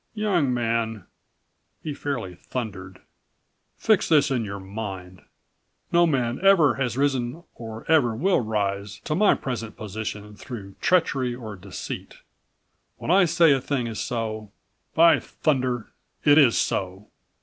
"Young man," he fairly thundered, "fix this in your mind: No man ever has risen or ever will rise to my present position through treachery or deceit. When I say a thing is so, by thunder it is so!"